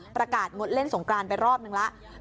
ประกาศงดเล่นสงกรานไปรอบนึงแล้ว